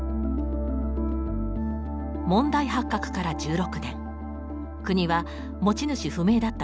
問題発覚から１６年国は持ち主不明だった